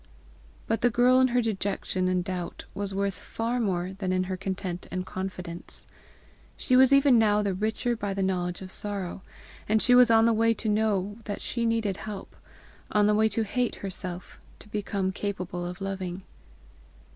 But the girl in her dejection and doubt, was worth far more than in her content and confidence. She was even now the richer by the knowledge of sorrow, and she was on the way to know that she needed help, on the way to hate herself, to become capable of loving.